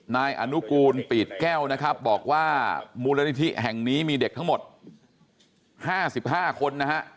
นายอนุกูลปีดแก้วนะครับบอกว่ามูลนิธิแห่งนี้มีเด็กทั้งหมด๕๕คนนะฮะ